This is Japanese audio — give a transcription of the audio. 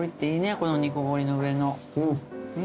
この煮凝りの上の。